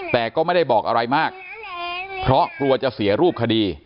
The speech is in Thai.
แต่ก็ไม่ได้บอกอะไรมากเพราะกลัวจะเสียรูปคดี